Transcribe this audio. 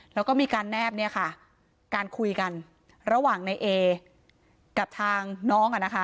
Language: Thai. แล้วก็มีการแนบเนี่ยค่ะการคุยกันระหว่างในเอกับทางน้องอ่ะนะคะ